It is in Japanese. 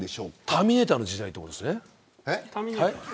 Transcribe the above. ターミネーターの時代っていうことですね。